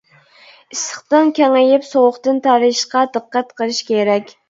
ئىسسىقتىن كېڭىيىپ، سوغۇقتىن تارىيىشقا دىققەت قىلىش كېرەك.